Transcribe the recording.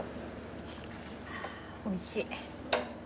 おいしい。